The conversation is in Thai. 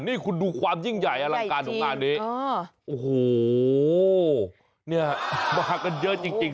นี่คุณดูความยิ่งใหญ่อลังการของงานนี้โอ้โหเนี่ยมากันเยอะจริง